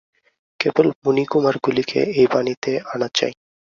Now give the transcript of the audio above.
কেবল মুনিকুমারগুলিকে এই বাড়িতে আনা চাই।